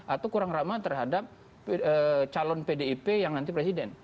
atau kurang ramah terhadap calon pdip yang nanti presiden